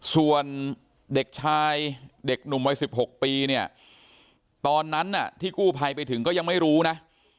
ส่วนเด็กชายเด็กหนุ่มวัย๑๖ปีเนี่ยตอนนั้นที่กู้ภัยไปถึงก็ยังไม่รู้นะ